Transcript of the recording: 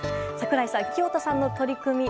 櫻井さん、清田さんの取り組み